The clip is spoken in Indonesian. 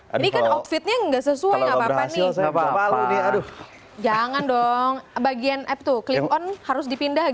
hai adiknya outfitnya nggak sesuai ngapain nih jangan dong bagian app to click on harus dipindah